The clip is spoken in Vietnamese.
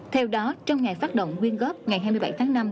theo đó trong ngày phát động quyên góp ngày hai mươi bảy tháng năm